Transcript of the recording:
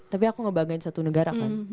tapi aku ngebanggain satu negara kan